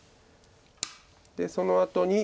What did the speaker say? でそのあとに。